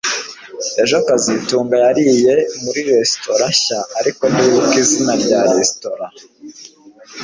Ejo kazitunga yariye muri resitora nshya ariko ntiyibuka izina rya resitora